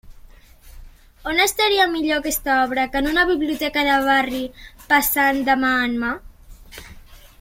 On estaria millor aquesta obra que en una biblioteca de barri passant de mà en mà?